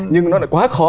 nhưng nó lại quá khó